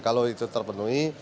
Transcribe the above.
kalau itu terpenuhi